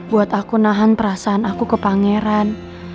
buat aku nahan perasaan aku ke pangeran